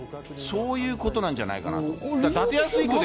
そういうことなんじゃないかと。